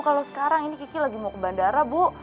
kalau sekarang ini kiki lagi mau ke bandara bu